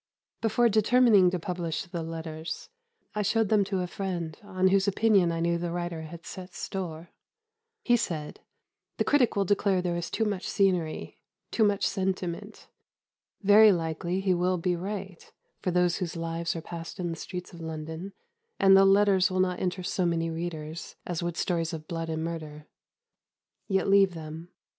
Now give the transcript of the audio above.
Before determining to publish the letters, I showed them to a friend on whose opinion I knew the writer had set store. He said, "The critic will declare there is too much scenery, too much sentiment. Very likely he will be right for those whose lives are passed in the streets of London, and the letters will not interest so many readers as would stories of blood and murder. Yet leave them.